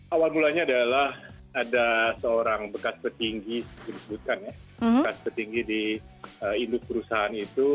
awal mulanya adalah ada seorang bekas petinggi disebutkan ya bekas petinggi di induk perusahaan itu